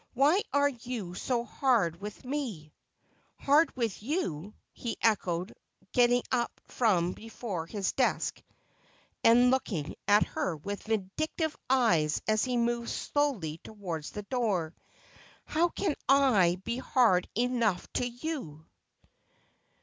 ' Why are you so hard with me ?'' Hard with you !' he echoed, getting up from before his desk and looking at her with vindictive eyes as he moved slowly towards the door. ' How can I be hard enough to you